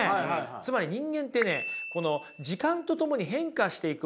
つまり人間ってね時間とともに変化していくものなんですよね。